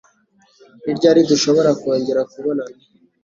Ni ryari dushobora kongera kubonana?